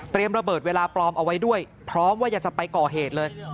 ระเบิดเวลาปลอมเอาไว้ด้วยพร้อมว่าอยากจะไปก่อเหตุเลย